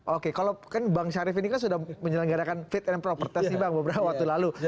oke kalau kan bang syarif ini kan sudah menjelanggarakan fit and propertasi bang beberapa waktu lalu